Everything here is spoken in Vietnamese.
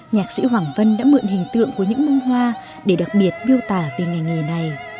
nhạc sĩ hoàng vân đã mượn hình tượng của những bông hoa để đặc biệt miêu tả về ngành nghề này